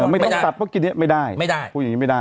ไม่ต้องตัดเพราะกินอย่างนี้ไม่ได้พูดอย่างนี้ไม่ได้